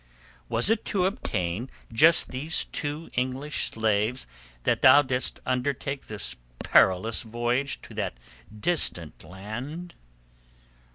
"Was it to obtain just these two English slaves that thou didst undertake this perilous voyage to that distant land?"